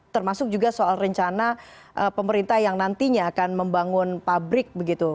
termasuk juga soal rencana pemerintah yang nantinya akan membangun pabrik begitu